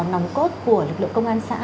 nóng cốt của lực lượng công an xã